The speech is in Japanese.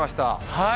はい！